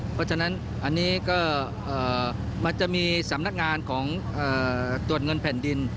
เพราะฉะนั้นอันนี้ก็มันจะมีสำนักงานของตรวจเงินแผ่นดิน